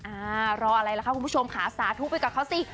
อ่ารออะไรล่ะคะคุณผู้ชมค่ะสาธุไปกับเขาสิ